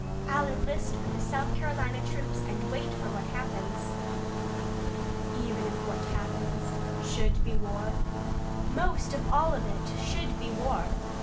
I'll enlist with the South Carolina troops and wait for what happens." "Even if what happens should be war?" "Most of all if it should be war.